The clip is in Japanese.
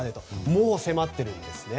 もう迫っているんです。